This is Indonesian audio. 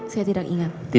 saya tidak ingat